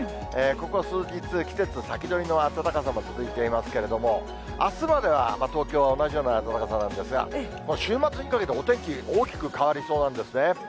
ここ数日、季節先取りの暖かさも続いていますけれども、あすまでは東京は同じような暖かさなんですが、もう週末にかけてお天気、大きく変わりそうなんですね。